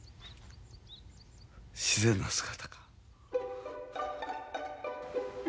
自然な姿か。